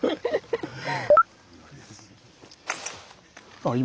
あっ今。